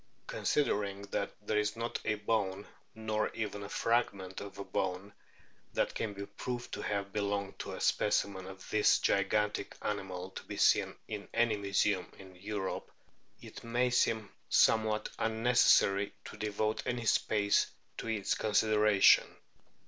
Considering that " there is not a bone, nor even a fragment of a bone, that can be proved to have belonged to a specimen of this gigantic animal to be seen in any museum in Europe," it may seem somewhat unnecessary to devote any space to its consideration.